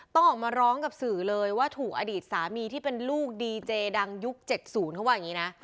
ต้องออกมาร้องกับสื่อเลยว่าถูกอดีตสามีที่เป็นลูกดีเจดังยุค๗๐เขาว่าอย่างนี้นะ